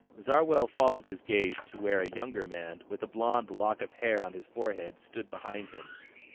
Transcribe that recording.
Zarwell followed his gaze to where a younger man, with a blond lock of hair on his forehead, stood behind him.